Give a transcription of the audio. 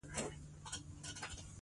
تجربه لرونکی چلوونکی ښه وي.